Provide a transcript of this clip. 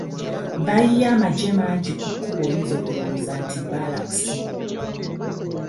Bayiye amagye mangi ku kkubo oyinza okulowooza nti bbaalakisi.